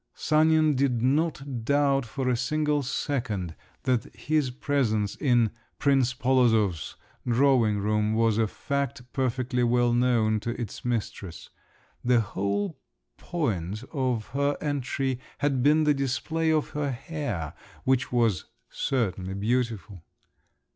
Sanin did not doubt for a single second that his presence in "Prince Polozov's" drawing room was a fact perfectly well known to its mistress; the whole point of her entry had been the display of her hair, which was certainly beautiful.